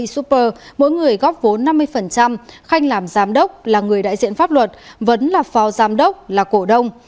super mỗi người góp vốn năm mươi khanh làm giám đốc là người đại diện pháp luật vấn là phó giám đốc là cổ đông